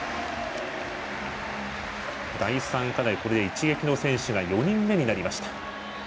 第３課題、これで一撃の選手が４人目になりました。